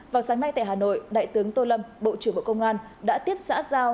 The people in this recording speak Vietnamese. vào sáng nay tại hà nội đại tướng tô lâm bộ trưởng bộ công an đã tiếp xã giao